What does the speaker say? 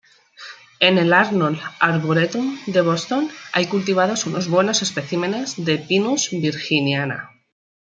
En el Arnold Arboretum de Boston hay cultivados unos buenos especímenes de "Pinus virginiana".